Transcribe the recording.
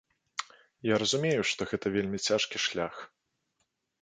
Я разумею, што гэта вельмі цяжкі шлях.